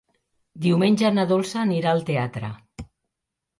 Diumenge na Dolça anirà al teatre.